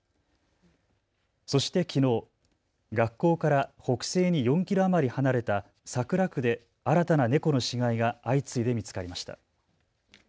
そしてきのう、学校から北西に４キロ余り離れた桜区で新たな猫の死骸が相次いで見つかりました。